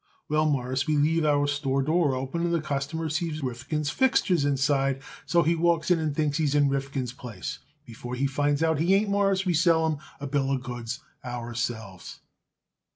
Well, Mawruss, we leave our store door open, and the customer sees Rifkin's fixtures inside, so he walks in and thinks he's in Rifkin's place. Before he finds out he ain't, Mawruss, we sell him a bill of goods ourselves."